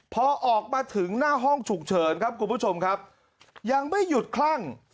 พอออกมาถึงหน้าห้องฉุกเฉินครับคุณผู้ชมครับยังไม่หยุดคลั่ง